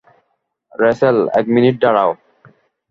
Rachel, এক minute দাঁড়াও।